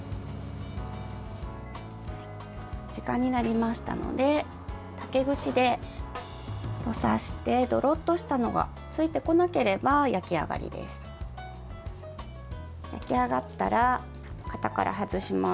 時間になりましたので竹串で刺してどろっとしたのがついてこなければ焼き上がりです。